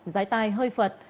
giái tai hơi phật